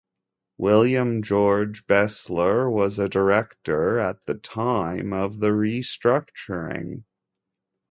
William George Besler was a Director at the time of the restructuring.